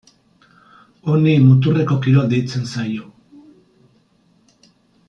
Honi muturreko kirol deitzen zaio.